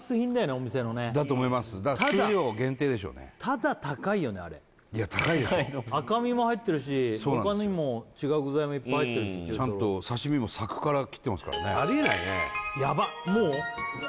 お店のねだと思いますだから数量限定でしょうねただ高いよねあれいや高いでしょ赤身も入ってるし他にも違う具材もいっぱい入ってるし刺身もサクから切ってますからねありえないねヤバッもう？